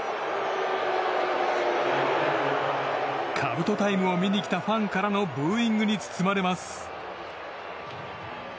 かぶとタイムを見に来たファンからのブーイングに包まれます。